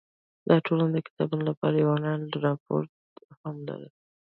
دا ټولنه د کتابتون لپاره یو انلاین پورتل هم لري.